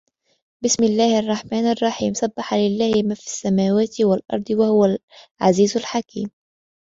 بِسْمِ اللَّهِ الرَّحْمَنِ الرَّحِيمِ سَبَّحَ لِلَّهِ مَا فِي السَّمَاوَاتِ وَالْأَرْضِ وَهُوَ الْعَزِيزُ الْحَكِيمُ